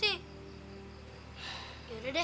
akhirnya house vousentrete pintu kedua dine apologize